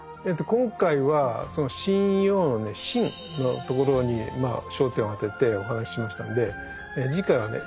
今回はその「神謡」のね「神」の所に焦点を当ててお話しましたんで次回はね